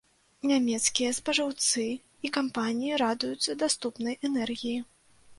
Нямецкія спажыўцы і кампаніі радуюцца даступнай энергіі.